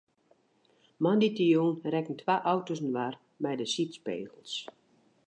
Moandeitejûn rekken twa auto's inoar mei de sydspegels.